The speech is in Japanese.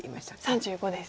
３５です。